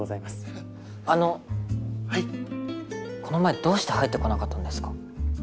この前どうして入ってこなかったんですか？